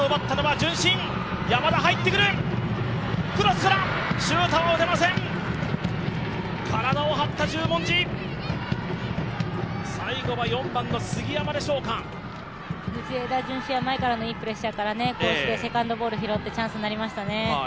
順心は前からのいいプレッシャーからこうしてセカンドボールを拾ってチャンスになりましたね。